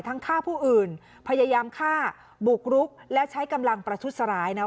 ฆ่าผู้อื่นพยายามฆ่าบุกรุกและใช้กำลังประทุษร้ายนะ